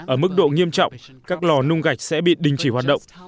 ở mức độ nghiêm trọng các lò nung gạch sẽ bị đình chỉ hoạt động